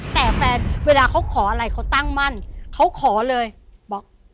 แต่แฟนเวลาเขาขออะไรเขาตั้งมั่นเขาขอเลยบอก